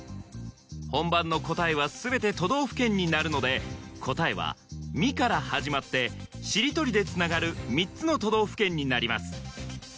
本番の答えは全て都道府県になるので答えは「み」から始まってしりとりでつながる３つの都道府県になります